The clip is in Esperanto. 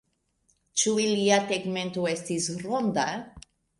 Ĉu ilia tegmento estis ronda?